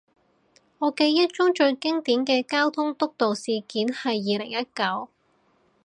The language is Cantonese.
我記憶中最經典嘅交通督導事件係二零一九